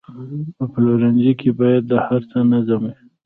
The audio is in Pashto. په پلورنځي کې باید د هر څه نظم وي.